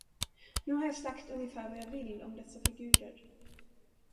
Nu har jag sagt ungefär vad jag vill om dessa figurer.